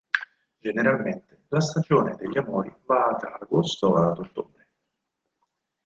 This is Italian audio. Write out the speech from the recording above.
Generalmente la stagione degli amori va da agosto a ottobre.